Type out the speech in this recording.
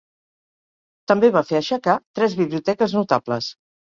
També va fer aixecar tres biblioteques notables.